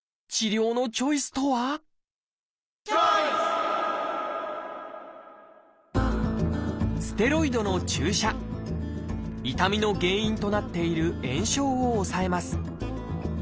治療のチョイスとは痛みの原因となっている炎症を抑えます。